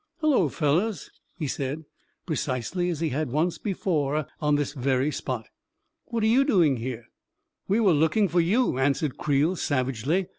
" Hullo, fellows !" he said, precisely as he had once before on this very spot. "What are you doing here ?" "We were looking for you," answered Creel savagely.